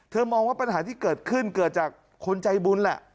มองว่าปัญหาที่เกิดขึ้นเกิดจากคนใจบุญแหละ